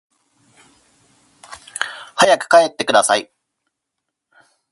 早く帰ってください